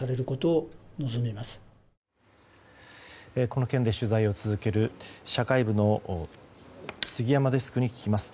この件で取材を続ける社会部の杉山デスクに聞きます。